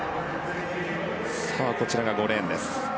こちらが５レーンです。